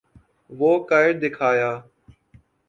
وہ کر دکھایا۔